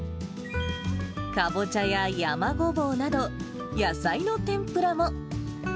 カボチャやヤマゴボウなど、野菜の天ぷらも。